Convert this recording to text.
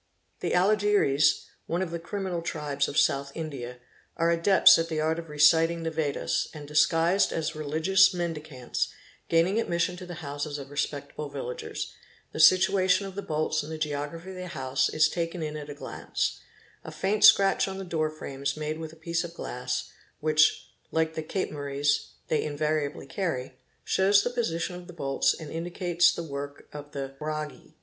The Alagiries, one of the criminal tribes of South India, are adepts in the art of reciting the Vedas and, disguised as religious mendicants, gaining admission to the houses of respectable villagers: the situation of the bolts and the geography of the house is taken in at a glance; a faint scratch on the door frames made with a piece of glass, which, like the Capemaries, they invariably carry, shows the position of the bolts and indicates the work of the " Byraghi''.